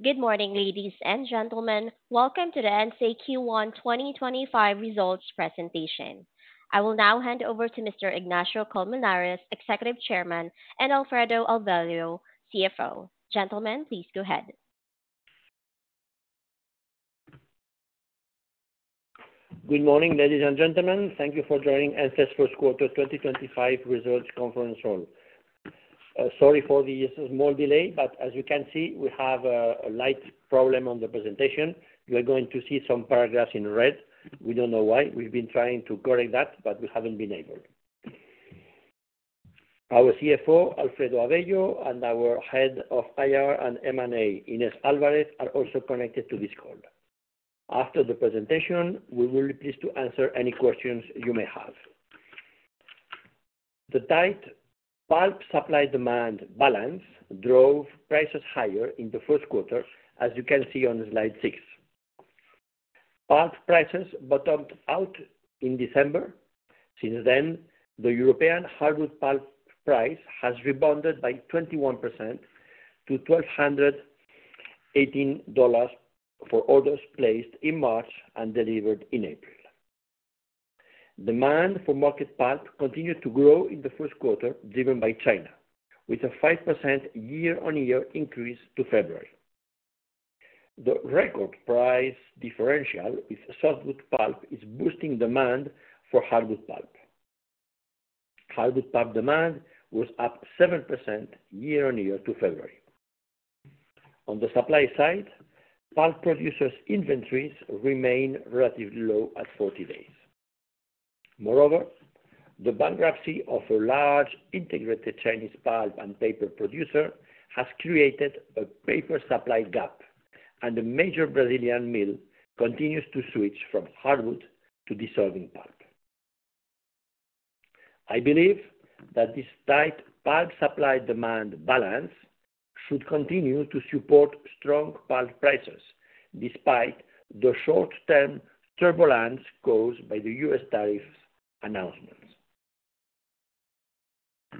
Good morning, ladies and gentlemen. Welcome to the ENCE Q1 2025 results presentation. I will now hand over to Mr. Ignacio Colmenares, Executive Chairman, and Alfredo Avello, CFO. Gentlemen, please go ahead. Good morning, ladies and gentlemen. Thank you for joining ENCE's first quarter 2025 results conference call. Sorry for the small delay, but as you can see, we have a light problem on the presentation. You are going to see some paragraphs in red. We do not know why. We have been trying to correct that, but we have not been able. Our CFO, Alfredo Avello, and our Head of IR and M&A, Inés Álvarez, are also connected to this call. After the presentation, we will be pleased to answer any questions you may have. The tight pulp supply-demand balance drove prices higher in the first quarter, as you can see on slide 6. Pulp prices bottomed out in December. Since then, the European hardwood pulp price has rebounded by 21% to $1,218 for orders placed in March and delivered in April. Demand for market pulp continued to grow in the first quarter, driven by China, with a 5% year-on-year increase to February. The record price differential with softwood pulp is boosting demand for hardwood pulp. Hardwood pulp demand was up 7% year-on-year to February. On the supply side, pulp producers' inventories remain relatively low at 40 days. Moreover, the bankruptcy of a large integrated Chinese pulp and paper producer has created a paper supply gap, and the major Brazilian mill continues to switch from hardwood to dissolving pulp. I believe that this tight pulp supply-demand balance should continue to support strong pulp prices despite the short-term turbulence caused by the U.S. tariff announcements.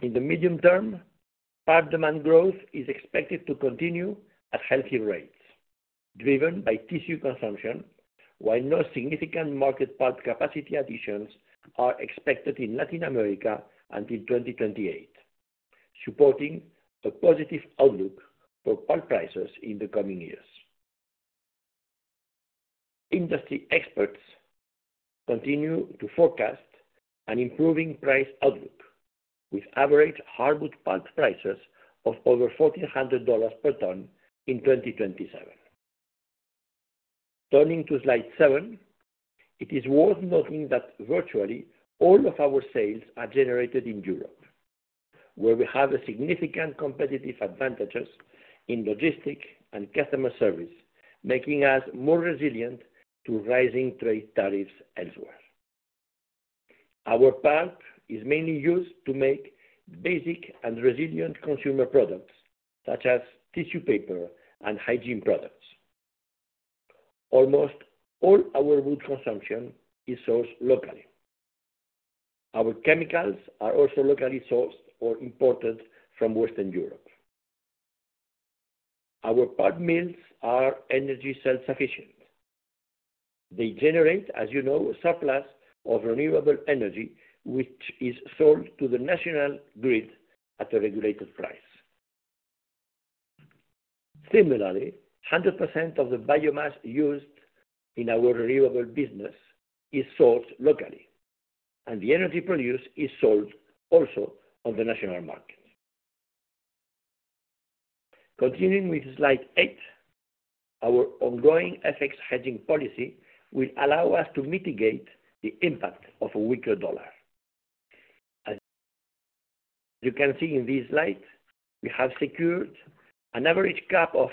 In the medium term, pulp demand growth is expected to continue at healthy rates, driven by tissue consumption, while no significant market pulp capacity additions are expected in Latin America until 2028, supporting a positive outlook for pulp prices in the coming years. Industry experts continue to forecast an improving price outlook, with average hardwood pulp prices of over $1,400 per ton in 2027. Turning to slide 7, it is worth noting that virtually all of our sales are generated in Europe, where we have significant competitive advantages in logistics and customer service, making us more resilient to rising trade tariffs elsewhere. Our pulp is mainly used to make basic and resilient consumer products such as tissue paper and hygiene products. Almost all our wood consumption is sourced locally. Our chemicals are also locally sourced or imported from Western Europe. Our pulp mills are energy self-sufficient. They generate, as you know, a surplus of renewable energy, which is sold to the national grid at a regulated price. Similarly, 100% of the biomass used in our renewable business is sourced locally, and the energy produced is sold also on the national market. Continuing with slide 8, our ongoing FX hedging policy will allow us to mitigate the impact of a weaker dollar. As you can see in this slide, we have secured an average cap of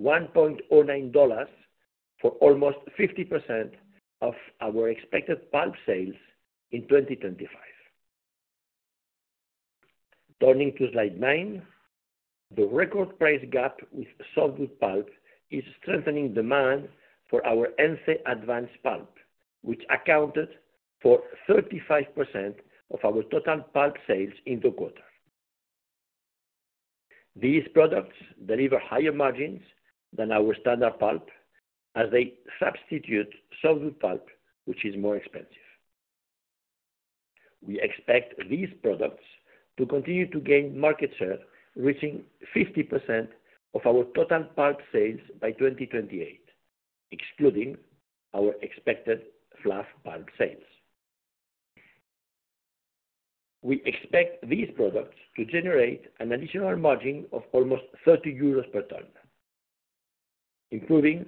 $1.09 for almost 50% of our expected pulp sales in 2025. Turning to slide 9, the record price gap with softwood pulp is strengthening demand for our ENCE Advanced Pulp, which accounted for 35% of our total pulp sales in the quarter. These products deliver higher margins than our standard pulp, as they substitute softwood pulp, which is more expensive. We expect these products to continue to gain market share, reaching 50% of our total pulp sales by 2028, excluding our expected fluff pulp sales. We expect these products to generate an additional margin of almost 30 euros per ton, improving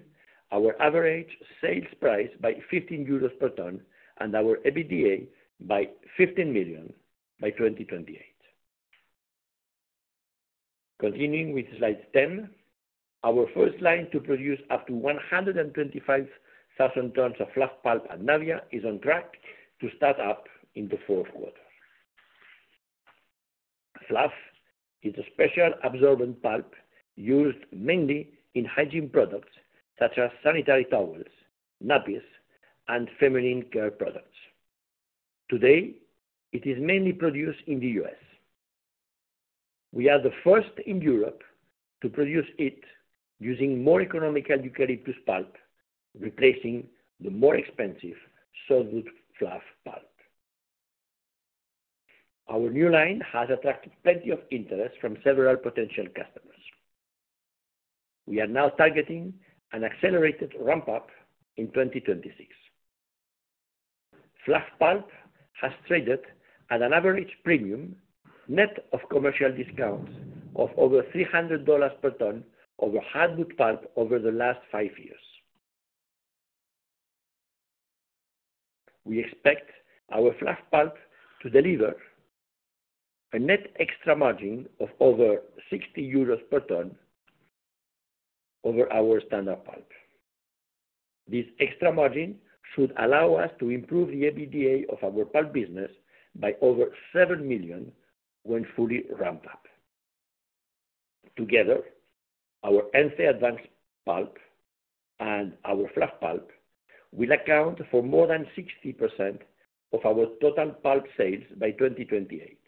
our average sales price by 15 euros per ton and our EBITDA by 15 million by 2028. Continuing with slide 10, our first line to produce up to 125,000 tons of fluff pulp at Navia is on track to start up in the fourth quarter. Fluff is a special absorbent pulp used mainly in hygiene products such as sanitary towels, nappies, and feminine care products. Today, it is mainly produced in the U.S. We are the first in Europe to produce it using more economical eucalyptus pulp, replacing the more expensive softwood fluff pulp. Our new line has attracted plenty of interest from several potential customers. We are now targeting an accelerated ramp-up in 2026. Fluff pulp has traded at an average premium net of commercial discounts of over $300 per ton of hardwood pulp over the last five years. We expect our fluff pulp to deliver a net extra margin of over 60 euros per ton over our standard pulp. This extra margin should allow us to improve the EBITDA of our pulp business by over 7 million when fully ramped up. Together, our ENCE Advanced Pulp and our fluff pulp will account for more than 60% of our total pulp sales by 2028,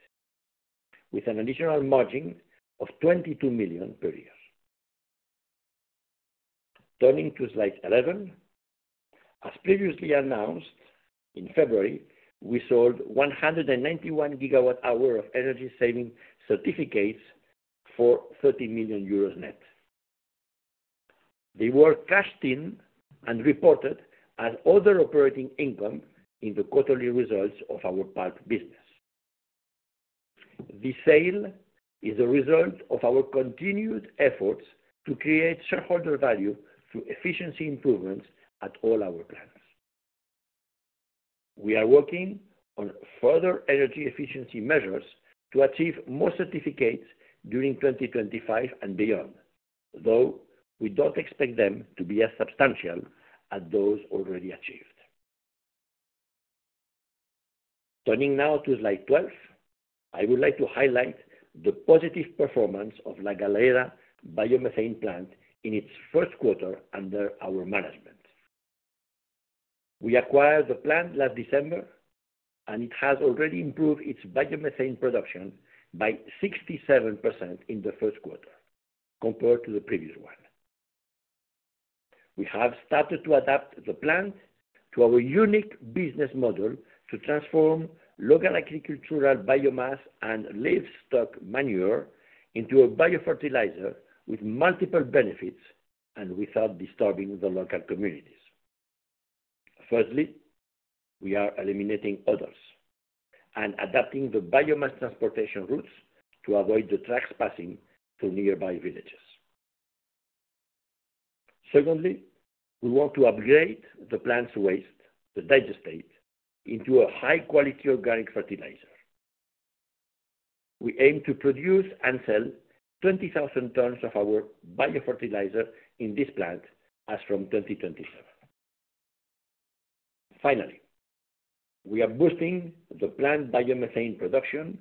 with an additional margin of 22 million per year. Turning to slide 11, as previously announced in February, we sold 191 GWh of energy-saving certificates for 30 million euros net. They were cashed in and reported as other operating income in the quarterly results of our pulp business. This sale is the result of our continued efforts to create shareholder value through efficiency improvements at all our plants. We are working on further energy efficiency measures to achieve more certificates during 2025 and beyond, though we do not expect them to be as substantial as those already achieved. Turning now to slide 12, I would like to highlight the positive performance of La Galera Biomethane Plant in its first quarter under our management. We acquired the plant last December, and it has already improved its biomethane production by 67% in the first quarter compared to the previous one. We have started to adapt the plant to our unique business model to transform local agricultural biomass and livestock manure into a biofertilizer with multiple benefits and without disturbing the local communities. Firstly, we are eliminating odors and adapting the biomass transportation routes to avoid the trucks passing through nearby villages. Secondly, we want to upgrade the plant's waste, the digestate, into a high-quality organic fertilizer. We aim to produce and sell 20,000 tons of our biofertilizer in this plant as from 2027. Finally, we are boosting the plant biomethane production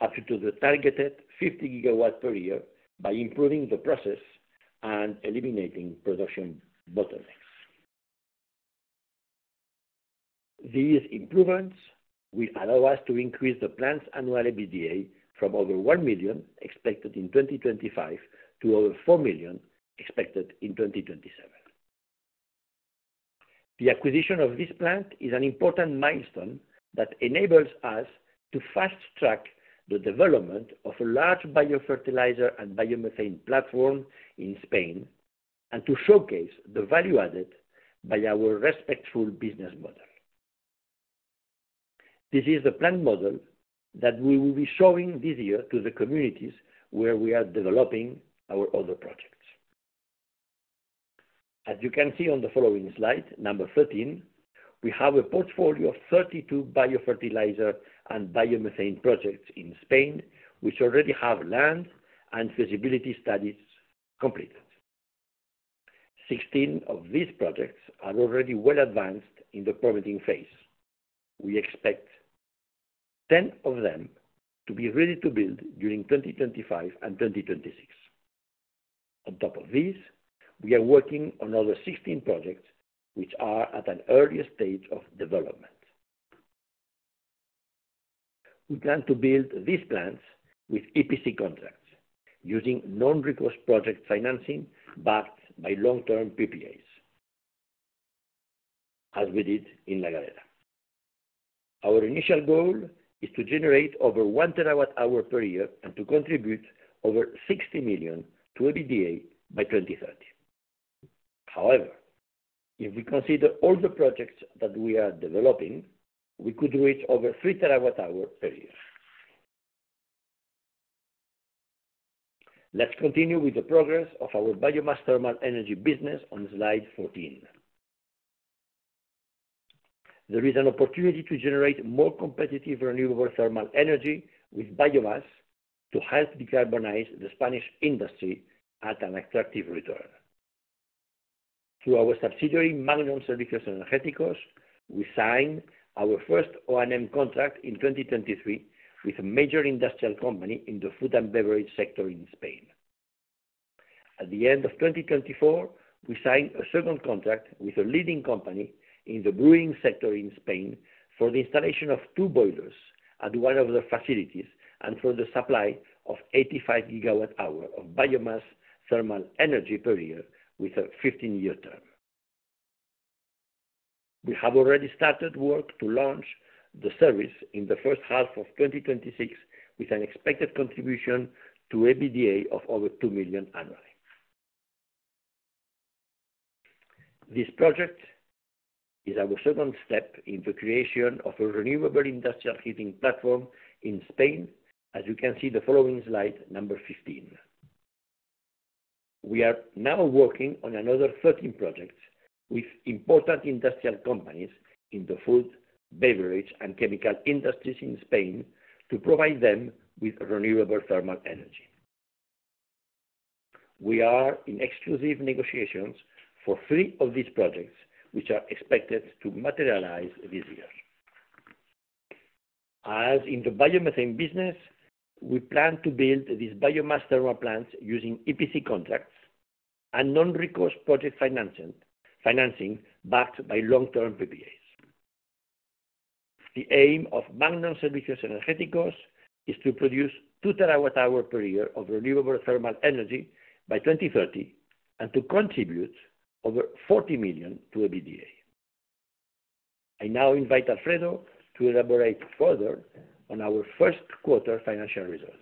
up to the targeted 50 GW per year by improving the process and eliminating production bottlenecks. These improvements will allow us to increase the plant's annual EBITDA from over 1 million expected in 2025 to over 4 million expected in 2027. The acquisition of this plant is an important milestone that enables us to fast-track the development of a large biofertilizer and biomethane platform in Spain and to showcase the value added by our respectful business model. This is the plant model that we will be showing this year to the communities where we are developing our other projects. As you can see on the following slide, number 13, we have a portfolio of 32 biofertilizer and biomethane projects in Spain, which already have land and feasibility studies completed. Sixteen of these projects are already well advanced in the permitting phase. We expect 10 of them to be ready to build during 2025 and 2026. On top of these, we are working on another 16 projects which are at an early stage of development. We plan to build these plants with EPC contracts using non-recourse project financing backed by long-term PPAs, as we did in La Galera. Our initial goal is to generate over 1 TWh per year and to contribute over 60 million to EBITDA by 2030. However, if we consider all the projects that we are developing, we could reach over 3 TWh per year. Let's continue with the progress of our biomass thermal energy business on slide 14. There is an opportunity to generate more competitive renewable thermal energy with biomass to help decarbonize the Spanish industry at an attractive return. Through our subsidiary, Magnum Servicios Energéticos, we signed our first O&M contract in 2023 with a major industrial company in the food and beverage sector in Spain. At the end of 2024, we signed a second contract with a leading company in the brewing sector in Spain for the installation of two boilers at one of the facilities and for the supply of 85 GWh of biomass thermal energy per year with a 15-year term. We have already started work to launch the service in the first half of 2026 with an expected contribution to EBITDA of over 2 million annually. This project is our second step in the creation of a renewable industrial heating platform in Spain, as you can see in the following slide, number 15. We are now working on another 13 projects with important industrial companies in the food, beverage, and chemical industries in Spain to provide them with renewable thermal energy. We are in exclusive negotiations for three of these projects, which are expected to materialize this year. As in the biomethane business, we plan to build these biomass thermal plants using EPC contracts and non-recourse project financing backed by long-term PPAs. The aim of Magnum Servicios Energéticos is to produce 2 TWh per year of renewable thermal energy by 2030 and to contribute over 40 million to EBITDA. I now invite Alfredo to elaborate further on our first quarter financial results.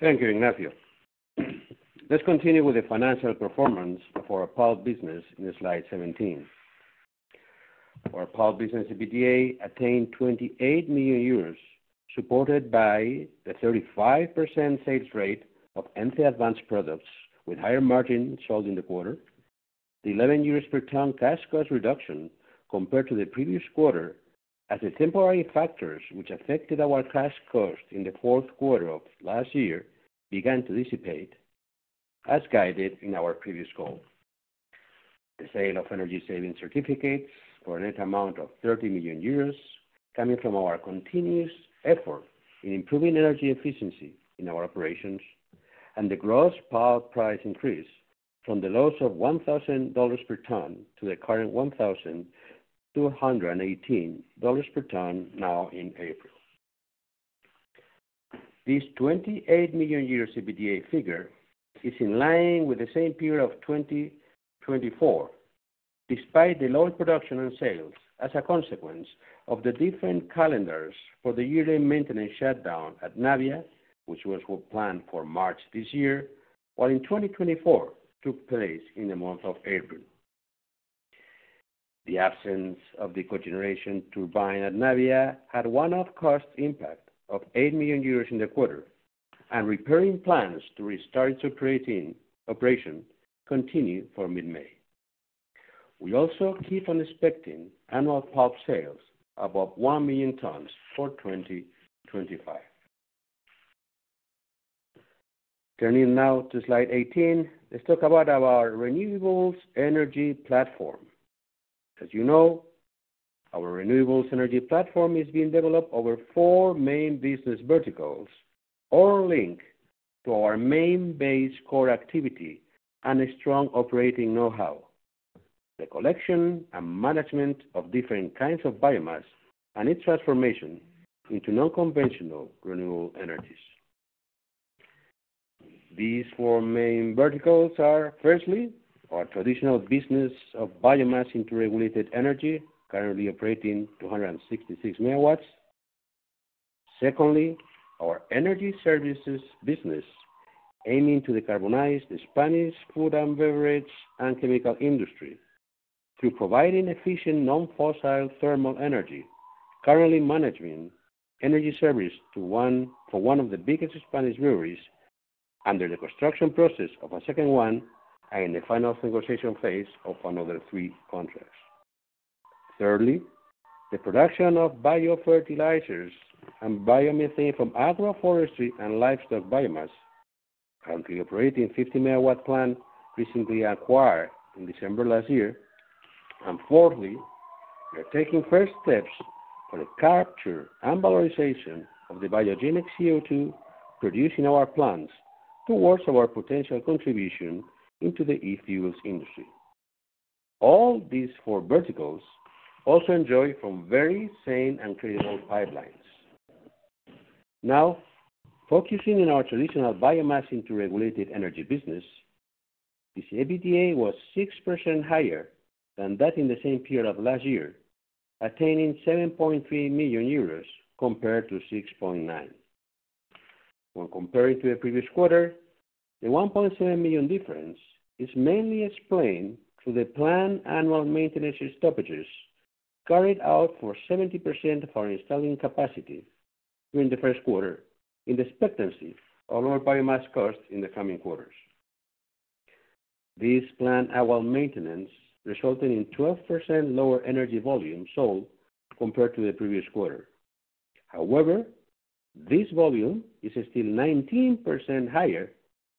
Thank you, Ignacio. Let's continue with the financial performance of our pulp business in slide 17. Our pulp business EBITDA attained 28 million euros, supported by the 35% sales rate of ENCE Advanced Products with higher margin sold in the quarter. The 11 euros per ton cash cost reduction compared to the previous quarter, as the temporary factors which affected our cash cost in the fourth quarter of last year began to dissipate, as guided in our previous goal. The sale of energy-saving certificates for a net amount of 30 million euros coming from our continuous effort in improving energy efficiency in our operations and the gross pulp price increase from the lows of $1,000 per ton to the current $1,218 per ton now in April. This 28 million euros EBITDA figure is in line with the same period of 2024, despite the low production and sales as a consequence of the different calendars for the yearly maintenance shutdown at Navia, which was planned for March this year, while in 2024 took place in the month of April. The absence of the cogeneration turbine at Navia had one-off cost impact of 8 million euros in the quarter, and repairing plans to restart its operation continue for mid-May. We also keep on expecting annual pulp sales above 1 million tons for 2025. Turning now to slide 18, let's talk about our renewables energy platform. As you know, our renewables energy platform is being developed over four main business verticals or linked to our main base core activity and a strong operating know-how: the collection and management of different kinds of biomass and its transformation into non-conventional renewable energies. These four main verticals are, firstly, our traditional business of biomass into regulated energy, currently operating 266 MW. Secondly, our energy services business, aiming to decarbonize the Spanish food and beverage and chemical industry through providing efficient non-fossil thermal energy, currently managing energy service for one of the biggest Spanish breweries under the construction process of a second one and in the final negotiation phase of another three contracts. Thirdly, the production of biofertilizers and biomethane from agroforestry and livestock biomass, currently operating a 50 MW plant recently acquired in December last year. Fourthly, we are taking first steps for the capture and valorization of the biogenic CO2 produced in our plants towards our potential contribution into the e-fuels industry. All these four verticals also enjoy from very sane and credible pipelines. Now, focusing on our traditional biomass into regulated energy business, this EBITDA was 6% higher than that in the same period of last year, attaining 7.3 million euros compared to 6.9 million. When comparing to the previous quarter, the 1.7 million difference is mainly explained through the planned annual maintenance stoppages carried out for 70% of our installed capacity during the first quarter in the expectancy of our biomass costs in the coming quarters. This planned annual maintenance resulted in 12% lower energy volume sold compared to the previous quarter. However, this volume is still 19% higher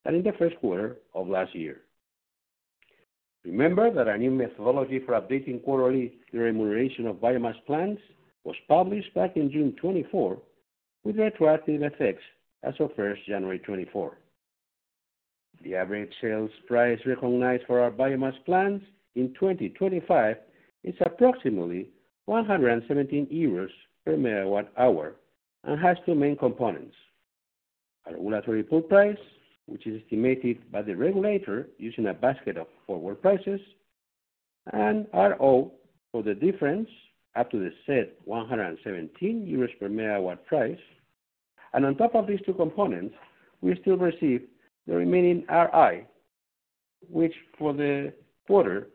than in the first quarter of last year. Remember that a new methodology for updating quarterly remuneration of biomass plants was published back in June 2024, with retroactive effects as of 1st January 2024. The average sales price recognized for our biomass plants in 2025 is approximately 117 euros per megawatt-hour and has two main components: a regulatory pull price, which is estimated by the regulator using a basket of forward prices, and RO for the difference up to the set 117 euros per megawatt-hour price. On top of these two components, we still receive the remaining RI, which for the quarter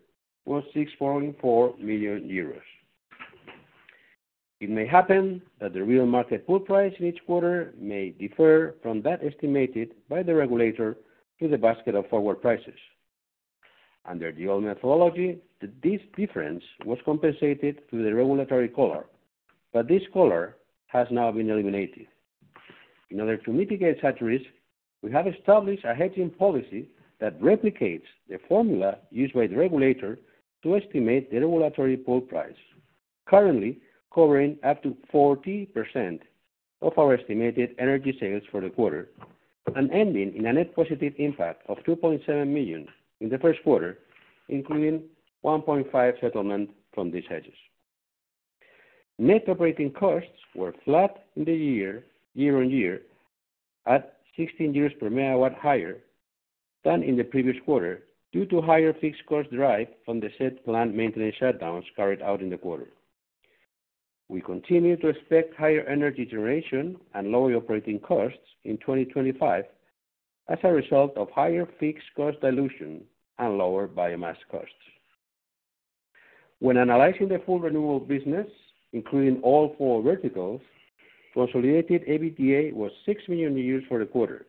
was 6.4 million euros. It may happen that the real market pull price in each quarter may differ from that estimated by the regulator through the basket of forward prices. Under the old methodology, this difference was compensated through the regulatory collar, but this collar has now been eliminated. In order to mitigate such risk, we have established a hedging policy that replicates the formula used by the regulator to estimate the regulatory pool price, currently covering up to 40% of our estimated energy sales for the quarter and ending in a net positive impact of 2.7 million in the first quarter, including 1.5 million settlement from these hedges. Net operating costs were flat year-on-year, at 16 euros per megawatt-hour higher than in the previous quarter due to higher fixed cost driven from the set planned maintenance shutdowns carried out in the quarter. We continue to expect higher energy generation and lower operating costs in 2025 as a result of higher fixed cost dilution and lower biomass costs. When analyzing the full renewable business, including all four verticals, consolidated EBITDA was 6 million euros for the quarter.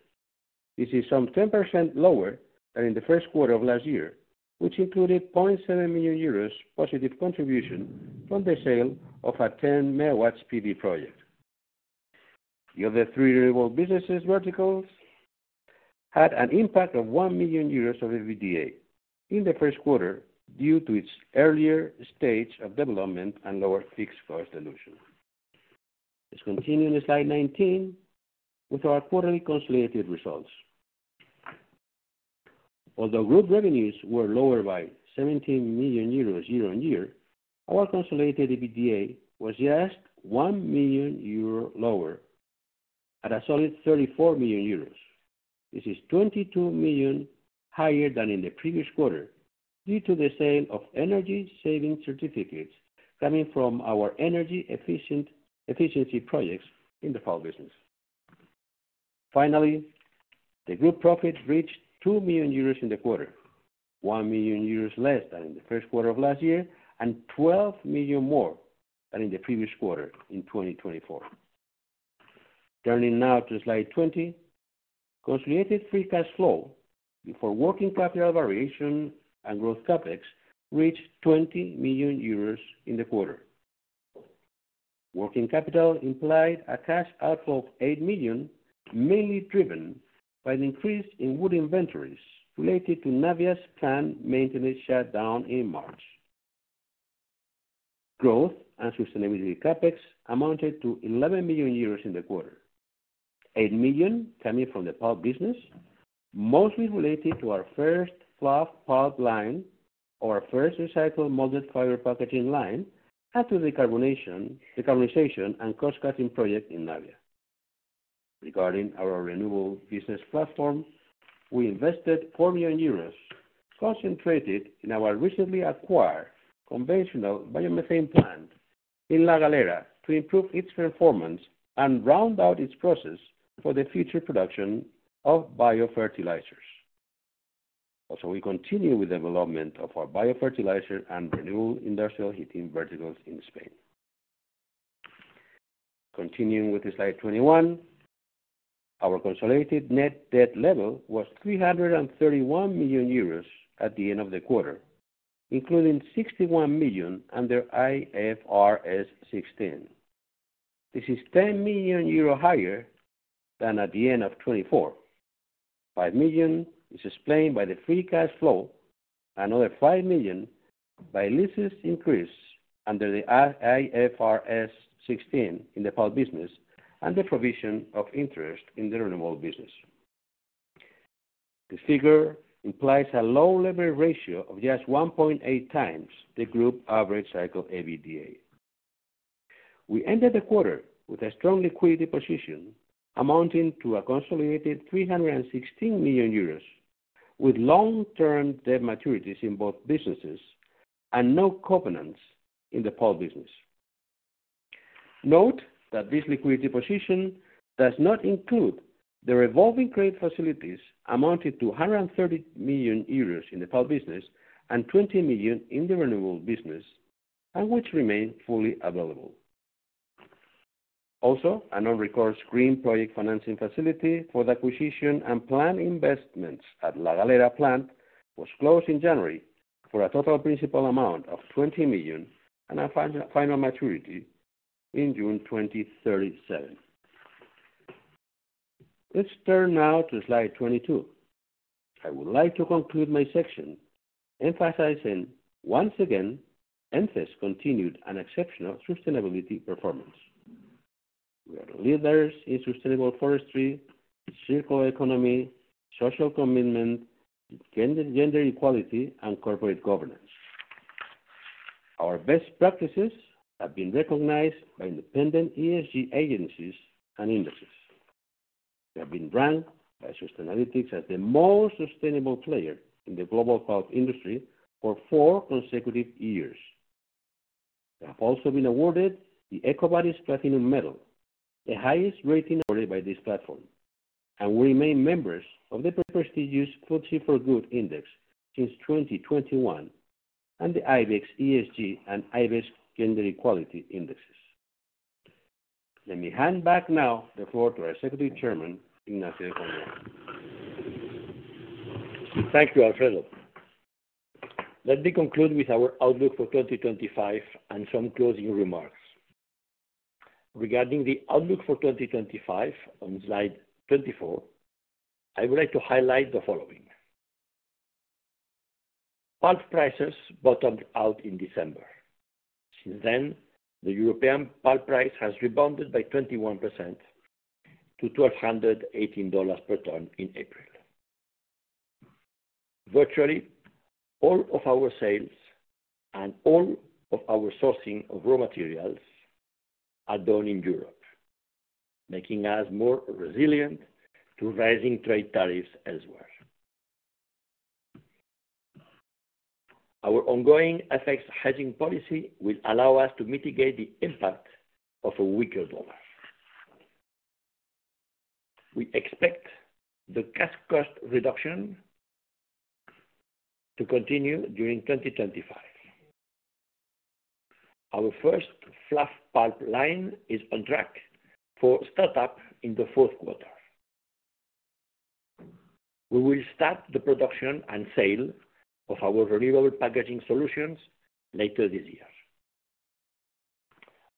This is some 10% lower than in the first quarter of last year, which included 0.7 million euros positive contribution from the sale of a 10 MW PV project. The other three renewable businesses verticals had an impact of 1 million euros of EBITDA in the first quarter due to its earlier stage of development and lower fixed cost dilution. Let's continue in slide 19 with our quarterly consolidated results. Although group revenues were lower by 17 million euros year-on-year, our consolidated EBITDA was just 1 million euro lower, at a solid 34 million euros. This is 22 million higher than in the previous quarter due to the sale of energy-saving certificates coming from our energy efficiency projects in the pulp business. Finally, the group profit reached 2 million euros in the quarter, 1 million euros less than in the first quarter of last year and 12 million more than in the previous quarter in 2024. Turning now to slide 20, consolidated free cash flow before working capital variation and growth CapEx reached 20 million euros in the quarter. Working capital implied a cash outflow of 8 million, mainly driven by an increase in wood inventories related to Navia's planned maintenance shutdown in March. Growth and sustainability CapEx amounted to 11 million euros in the quarter, 8 million coming from the pulp business, mostly related to our first fluff pulp line or our first recycled molded fiber packaging line after decarbonization and cost-cutting project in Navia. Regarding our renewable business platform, we invested 4 million euros concentrated in our recently acquired conventional biomethane plant in La Galera to improve its performance and round out its process for the future production of biofertilizers. Also, we continue with the development of our biofertilizer and renewable industrial heating verticals in Spain. Continuing with slide 21, our consolidated net debt level was 331 million euros at the end of the quarter, including 61 million under IFRS 16. This is 10 million euro higher than at the end of 2024. 5 million is explained by the free cash flow and another 5 million by leases increased under the IFRS 16 in the pulp business and the provision of interest in the renewable business. This figure implies a low leverage ratio of just 1.8X the group average cycle EBITDA. We ended the quarter with a strong liquidity position amounting to a consolidated 316 million euros, with long-term debt maturities in both businesses and no covenants in the pulp business. Note that this liquidity position does not include the revolving credit facilities amounting to 130 million euros in the pulp business and 20 million in the renewable business, which remain fully available. Also, a non-recourse green project financing facility for the acquisition and planned investments at La Galera plant was closed in January for a total principal amount of 20 million and a final maturity in June 2037. Let's turn now to slide 22. I would like to conclude my section emphasizing once again ENCE's continued and exceptional sustainability performance. We are leaders in sustainable forestry, circular economy, social commitment, gender equality, and corporate governance. Our best practices have been recognized by independent ESG agencies and indices. They have been ranked by Sustainalytics as the most sustainable player in the global pulp industry for four consecutive years. They have also been awarded the Ecovadis Platinum Medal, the highest rating awarded by this platform, and we remain members of the prestigious FTSE4Good Index since 2021 and the IBEX ESG and IBEX Gender Equality Indexes. Let me hand back now the floor to our Executive Chairman, Ignacio Colmenares. Thank you, Alfredo. Let me conclude with our outlook for 2025 and some closing remarks. Regarding the outlook for 2025 on slide 24, I would like to highlight the following: Pulp prices bottomed out in December. Since then, the European pulp price has rebounded by 21% to $1,218 per ton in April. Virtually all of our sales and all of our sourcing of raw materials are done in Europe, making us more resilient to rising trade tariffs elsewhere. Our ongoing FX hedging policy will allow us to mitigate the impact of a weaker dollar. We expect the cash cost reduction to continue during 2025. Our first fluff pulp line is on track for start-up in the fourth quarter. We will start the production and sale of our renewable packaging solutions later this year.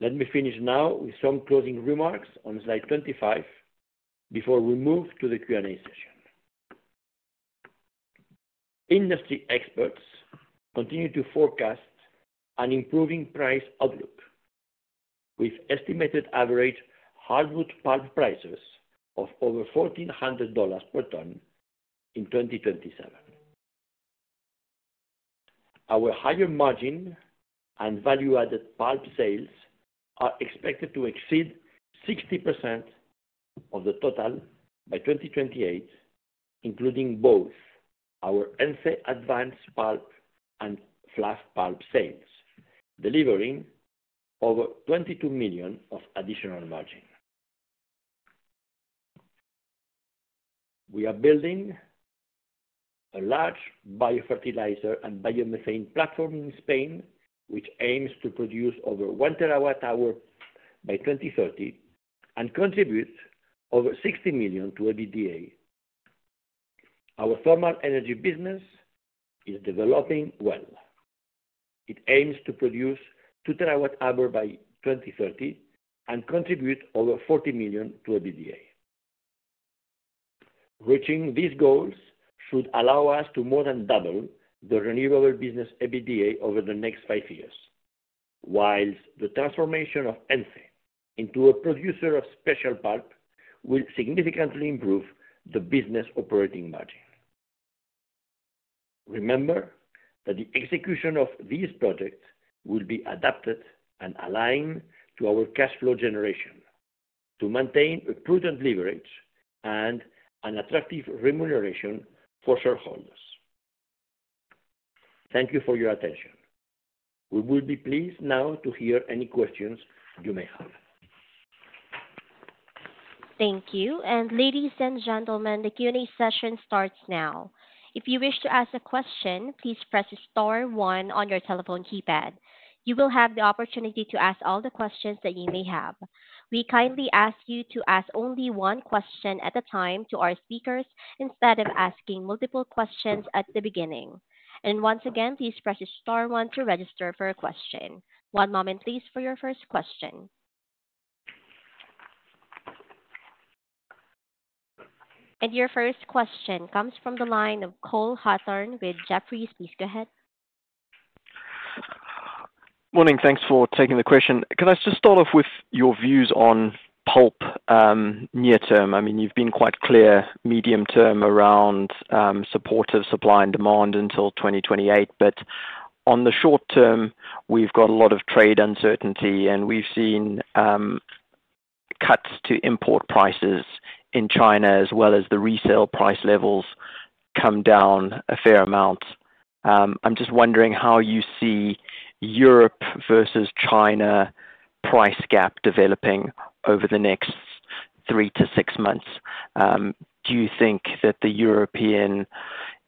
Let me finish now with some closing remarks on slide 25 before we move to the Q&A session. Industry experts continue to forecast an improving price outlook, with estimated average hardwood pulp prices of over $1,400 per ton in 2027. Our higher margin and value-added pulp sales are expected to exceed 60% of the total by 2028, including both our ENCE Advanced Pulp and Fluff Pulp sales, delivering over 22 million of additional margin. We are building a large biofertilizer and biomethane platform in Spain, which aims to produce over 1 TWh by 2030 and contribute over 60 million to EBITDA. Our thermal energy business is developing well. It aims to produce 2 TWh by 2030 and contribute over 40 million to EBITDA. Reaching these goals should allow us to more than double the renewable business EBITDA over the next five years, while the transformation of ENCE into a producer of special pulp will significantly improve the business operating margin. Remember that the execution of these projects will be adapted and aligned to our cash flow generation to maintain a prudent leverage and an attractive remuneration for shareholders. Thank you for your attention. We would be pleased now to hear any questions you may have. Thank you. Ladies and gentlemen, the Q&A session starts now. If you wish to ask a question, please press Star 1 on your telephone keypad. You will have the opportunity to ask all the questions that you may have. We kindly ask you to ask only one question at a time to our speakers instead of asking multiple questions at the beginning. Once again, please press Star 1 to register for a question. One moment, please, for your first question. Your first question comes from the line of Cole Hathorn with Jefferies. Please go ahead. Morning. Thanks for taking the question. Can I just start off with your views on pulp near-term? I mean, you've been quite clear medium-term around supportive supply and demand until 2028. On the short term, we've got a lot of trade uncertainty, and we've seen cuts to import prices in China as well as the resale price levels come down a fair amount. I'm just wondering how you see Europe versus China price gap developing over the next 3-6 months. Do you think that the European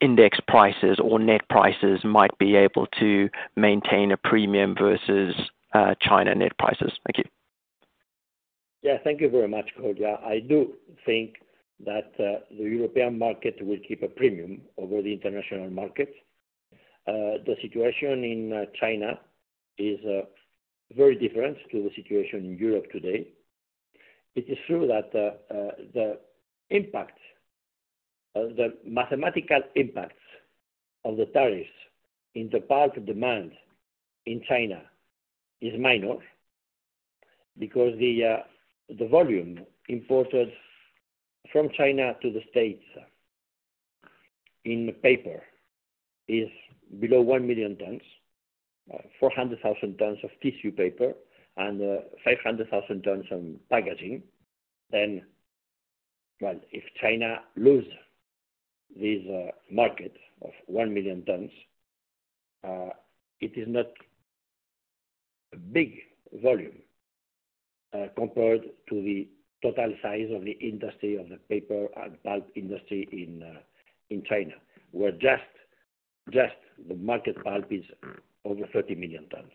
index prices or net prices might be able to maintain a premium versus China net prices? Thank you. Yeah, thank you very much, Claudia. I do think that the European market will keep a premium over the international market. The situation in China is very different from the situation in Europe today. It is true that the impact, the mathematical impact of the tariffs in the pulp demand in China is minor because the volume imported from China to the States in paper is below 1 million tons, 400,000 tons of tissue paper, and 500,000 tons of packaging. If China loses this market of 1 million tons, it is not a big volume compared to the total size of the industry of the paper and pulp industry in China, where just the market pulp is over 30 million tons.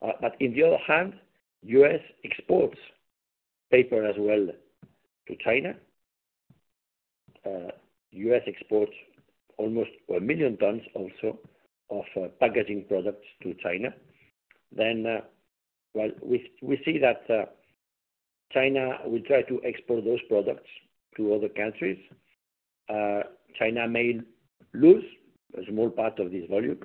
On the other hand, the U.S. exports paper as well to China. The U.S. exports almost 1 million tons also of packaging products to China. We see that China will try to export those products to other countries. China may lose a small part of this volume.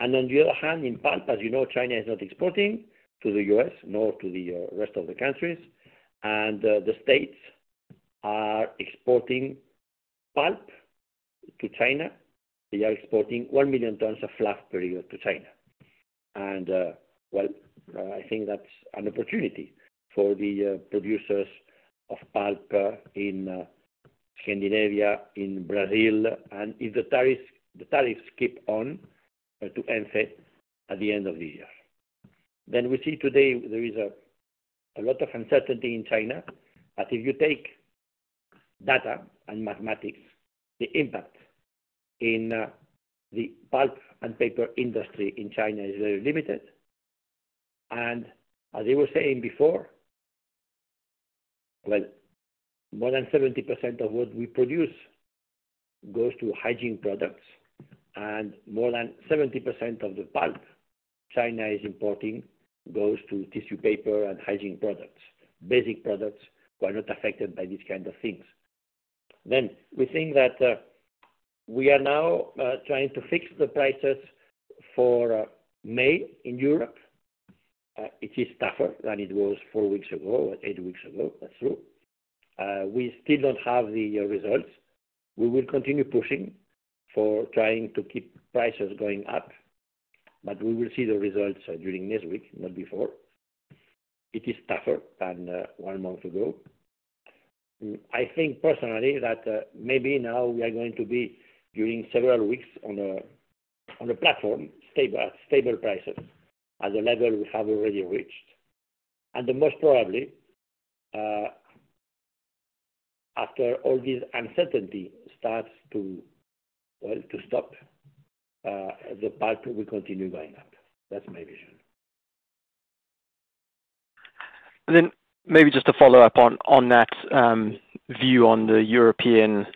On the other hand, in pulp, as you know, China is not exporting to the U.S., nor to the rest of the countries. The States are exporting pulp to China. They are exporting 1 million tons of fluff per year to China. I think that's an opportunity for the producers of pulp in Scandinavia, in Brazil. If the tariffs keep on to ENCE at the end of the year, we see today there is a lot of uncertainty in China. If you take data and mathematics, the impact in the pulp and paper industry in China is very limited. As I was saying before, more than 70% of what we produce goes to hygiene products, and more than 70% of the pulp China is importing goes to tissue paper and hygiene products. Basic products are not affected by these kinds of things. We think that we are now trying to fix the prices for May in Europe. It is tougher than it was four weeks ago or eight weeks ago. That's true. We still do not have the results. We will continue pushing for trying to keep prices going up, but we will see the results during next week, not before. It is tougher than one month ago. I think personally that maybe now we are going to be during several weeks on a platform, stable prices at the level we have already reached. Most probably, after all this uncertainty starts to, well, to stop, the pulp will continue going up. That's my vision. To follow up on that view on the European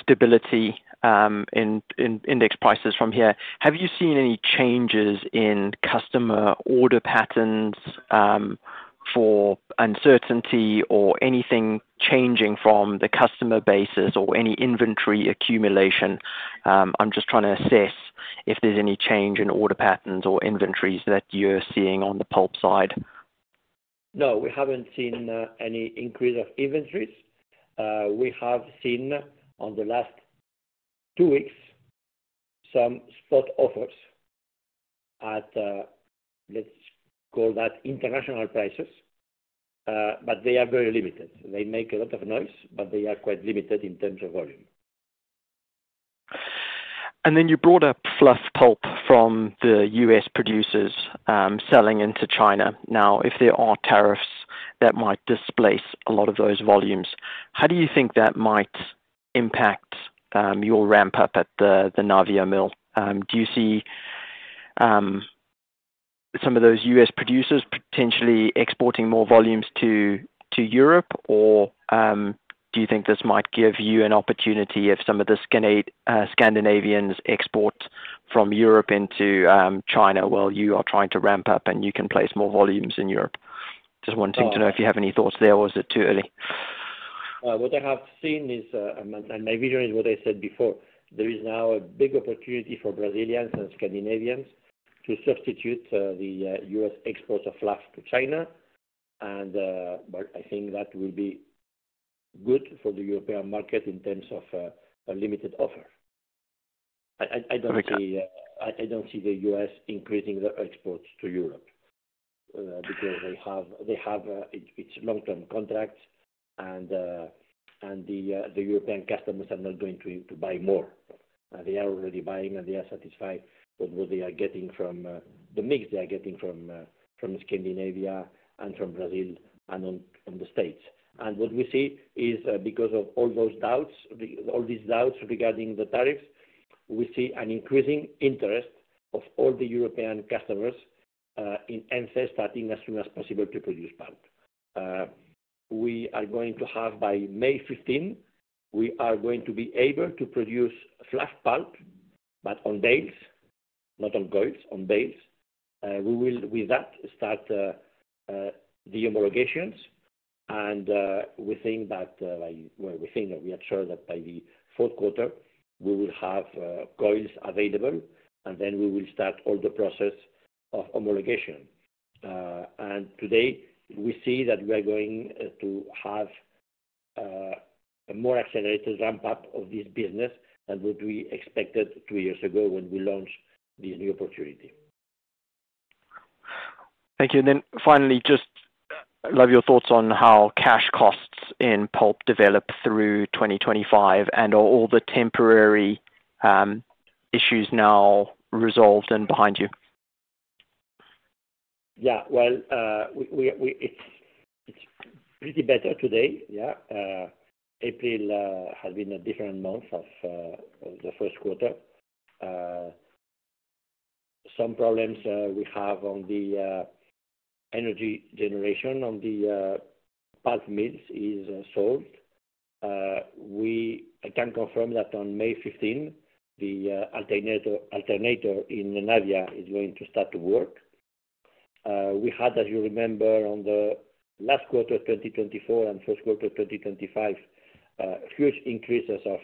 stability in index prices from here, have you seen any changes in customer order patterns for uncertainty or anything changing from the customer basis or any inventory accumulation? I'm just trying to assess if there's any change in order patterns or inventories that you're seeing on the pulp side. No, we haven't seen any increase of inventories. We have seen in the last two weeks some spot offers at, let's call that, international prices, but they are very limited. They make a lot of noise, but they are quite limited in terms of volume. You brought up fluff pulp from the U.S. producers selling into China. Now, if there are tariffs that might displace a lot of those volumes, how do you think that might impact your ramp-up at the Navia Mill? Do you see some of those U.S. producers potentially exporting more volumes to Europe, or do you think this might give you an opportunity if some of the Scandinavians export from Europe into China while you are trying to ramp up and you can place more volumes in Europe? Just wanting to know if you have any thoughts there, or is it too early? What I have seen is, and my vision is what I said before, there is now a big opportunity for Brazilians and Scandinavians to substitute the U.S. exports of fluff to China. I think that will be good for the European market in terms of a limited offer. I do not see the U.S. increasing their exports to Europe because they have its long-term contracts, and the European customers are not going to buy more. They are already buying, and they are satisfied with what they are getting from the mix they are getting from Scandinavia and from Brazil and from the States. What we see is, because of all those doubts, all these doubts regarding the tariffs, we see an increasing interest of all the European customers in ENCE starting as soon as possible to produce pulp. We are going to have, by May 15, we are going to be able to produce fluff pulp, but on bales, not on coils, on bales. With that, we will start the homologations. We think that, well, we think that we are sure that by the fourth quarter, we will have coils available, and then we will start all the process of homologation. Today, we see that we are going to have a more accelerated ramp-up of this business than what we expected two years ago when we launched this new opportunity. Thank you. Finally, just I'd love your thoughts on how cash costs in pulp develop through 2025 and are all the temporary issues now resolved and behind you. Yeah, it's pretty better today. April has been a different month of the first quarter. Some problems we have on the energy generation on the pulp mills is solved. I can confirm that on May 15, the alternator in Navia is going to start to work. We had, as you remember, on the last quarter of 2024 and first quarter of 2025, huge increases of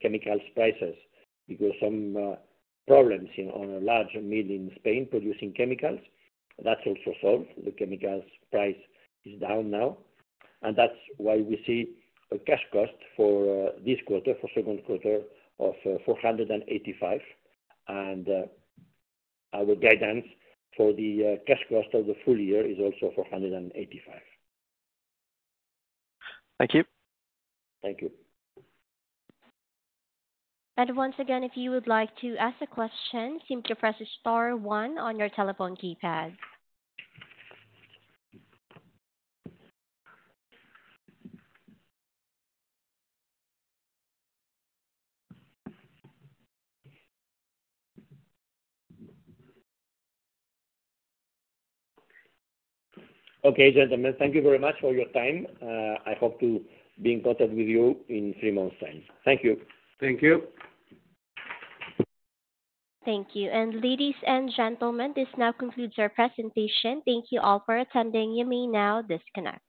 chemicals prices because some problems on a large mill in Spain producing chemicals. That's also solved. The chemicals price is down now. That is why we see a cash cost for this quarter, for second quarter, of 485. Our guidance for the cash cost of the full year is also 485. Thank you. Thank you. Once again, if you would like to ask a question, simply press Star 1 on your telephone keypad. Okay, gentlemen, thank you very much for your time. I hope to be in contact with you in three months' time. Thank you. Thank you. Thank you. Ladies and gentlemen, this now concludes our presentation. Thank you all for attending. You may now disconnect.